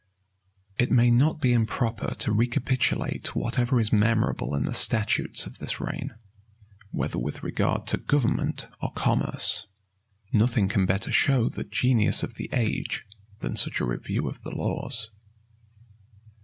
It may not be improper to recapitulate whatever is memorable in the statutes of this reign, whether with regard to government or commerce: nothing can better show the genius of the age than such a review of the laws.